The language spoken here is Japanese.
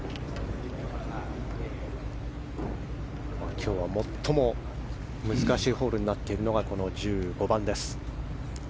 今日は最も難しいホールになっているのが１５番。